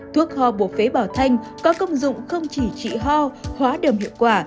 thuốc ho bổ phế bảo thanh có công dụng không chỉ trị ho hóa đầm hiệu quả